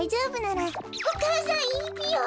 お母さんいいぴよ？